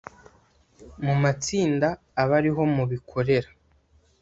mu matsinda abe ariho mubikorera